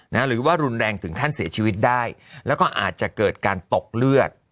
หรือว่ารุนแรงถึงขั้นเสียชีวิตได้แล้วก็อาจจะเกิดการตกเลือด